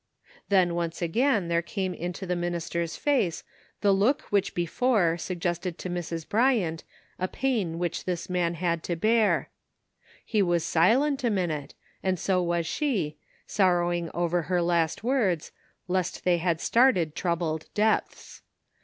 Then once again there came into the minis ter's face the look which had before suggested CONFLICTING ADVICE. 203 10 Mrs. Bryant a pain which this man had to bear. He was silent a minute, and so was she, sorrowing over her last words, lest they had started troubled depths.